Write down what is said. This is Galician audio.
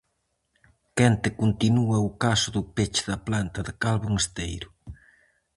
Quente continúa o caso do peche da planta de Calvo en Esteiro.